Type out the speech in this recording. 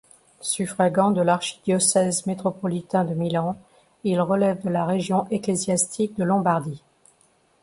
Suffragant de l'archidiocèse métropolitain de Milan, il relève de la région ecclésiastique de Lombardie.